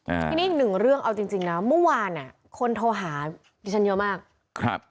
ที่นี่อีกหนึ่งเรื่องเอาจริงจริงนะเมื่อวานอ่ะคนโทรหาดิฉันเยอะมากครับ